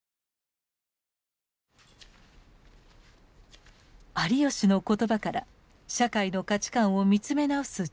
有吉の言葉から社会の価値観を見つめ直す女性たちがいます。